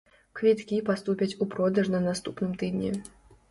Квіткі паступяць у продаж на наступным тыдні.